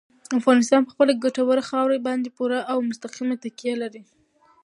افغانستان په خپله ګټوره خاوره باندې پوره او مستقیمه تکیه لري.